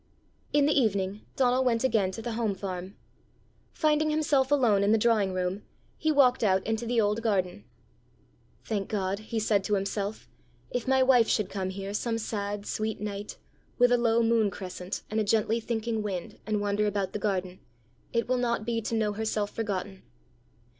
In the evening Donal went again to the home farm. Finding himself alone in the drawing room, he walked out into the old garden. "Thank God," he said to himself, "if my wife should come here some sad, sweet night, with a low moon crescent, and a gently thinking wind, and wander about the garden, it will not be to know herself forgotten!"